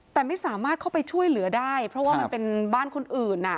แต่ไม่สามารถเข้าไปช่วยเหลือได้เพราะว่ามันเป็นบ้านคนอื่น